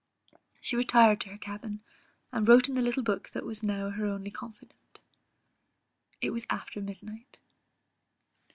She retired to her cabin; and wrote in the little book that was now her only confident. It was after midnight.